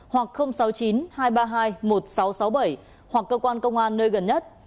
hoặc sáu mươi chín hai trăm ba mươi hai một nghìn sáu trăm sáu mươi bảy hoặc cơ quan công an nơi gần nhất